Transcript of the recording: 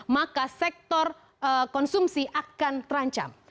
maka sektor konsumsi akan terancam